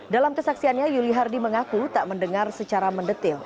dalam kesaksiannya yuli hardy mengaku tak mendengar secara mendetail